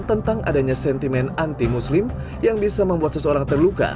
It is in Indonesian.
tentang adanya sentimen anti muslim yang bisa membuat seseorang terluka